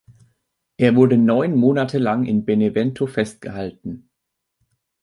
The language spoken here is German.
Er wurde neun Monate lang in Benevento festgehalten.